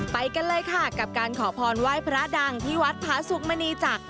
ไปกันเลยค่ะกับการขอพรไหว้พระดังที่วัดผาสุกมณีจักร